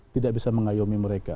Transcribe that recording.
tidak bisa mengayomi mereka